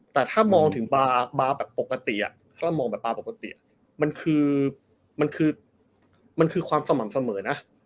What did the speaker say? แต่ถ้ามองถึงบาร์แบบปกติมันคือความสม่ำเสมอนะ